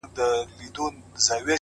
د خلې پۀ ځائ مې پۀ کاتۀ پوهه کړي